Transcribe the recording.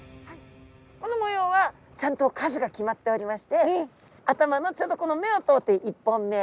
この模様はちゃんと数が決まっておりまして頭のちょうどこの目を通って１本目。